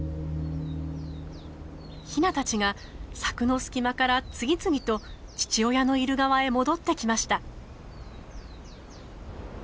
ヒナたちが柵の隙間から次々と父親のいる側へ戻ってきました。